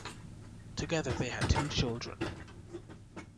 Together they had two children.